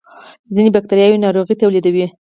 ځینې بکتریاوې ناروغۍ تولیدوي